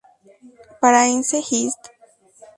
Paraense Hist.